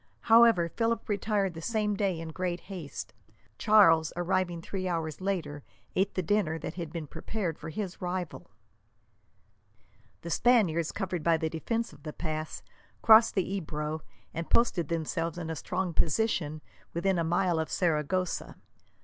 However, Philip retired the same day in great haste. Charles, arriving three hours later, ate the dinner that had been prepared for his rival. The Spaniards, covered by the defence of the pass, crossed the Ebro and posted themselves in a strong position within a mile of Saragossa.